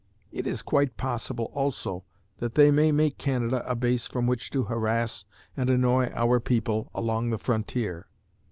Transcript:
It is quite possible, also, that they may make Canada a base from which to harass and annoy our people along the frontier.'